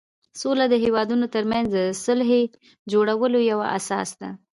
سوله د هېوادونو ترمنځ د صلحې جوړولو یوه اساس ده.